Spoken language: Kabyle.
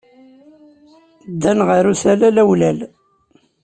Ddan ɣer usalay awlal.